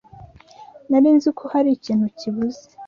Nari nzi ko hari ikintu kibuze.